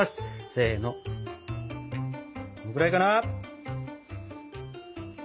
これくらいかな？